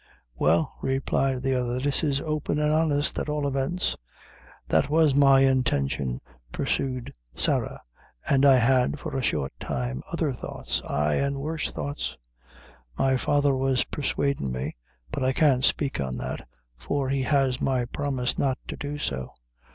"Well," replied the other, "this is open and honest, at all events." "That was my intention," pursued Sarah, "an' I had, for a short time, other thoughts; ay, an' worse thoughts; my father was pursuadin' me but I can't spake on that for he has my promise not to do so.